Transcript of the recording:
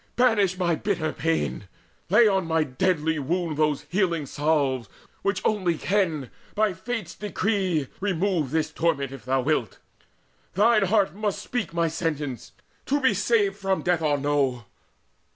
Banish my bitter pain: Lay on my deadly wound those healing salves Which only can, by Fate's decree, remove This torment, if thou wilt. Thine heart must speak My sentence, to be saved from death or no.